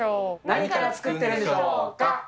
何から作ってるんでしょうか。